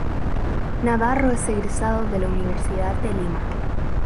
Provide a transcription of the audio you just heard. Navarro es egresado de la Universidad de Lima